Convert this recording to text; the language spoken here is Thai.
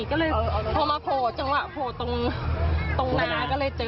ก็เลยพบมาโผล่จังหวะโผล่ตรงด้านหน้าก็เลยเจอ